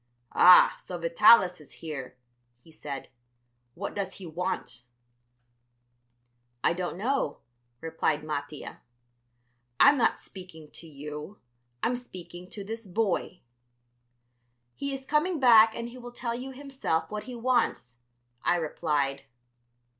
"Ah, so Vitalis is here," he said; "what does he want?" "I don't know," replied Mattia. "I'm not speaking to you, I'm speaking to this boy." "He is coming back and he will tell you himself what he wants," I replied.